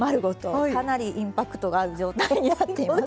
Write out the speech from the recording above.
かなりインパクトがある状態になっています。